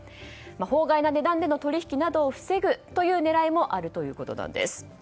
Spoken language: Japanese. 法外な値段での取引を防ぐ狙いもあるということです。